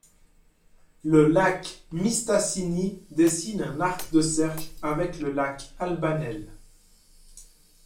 Le lac Mistassini dessine un arc de cercle avec le lac Albanel.